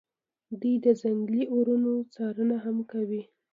دوی د ځنګلي اورونو څارنه هم کوي